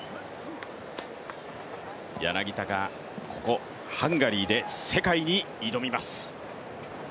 柳田がここハンガリーで世界に挑みます。